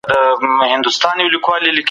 د قدرت ساتل تر لاسته راوړلو ستونزمن دي.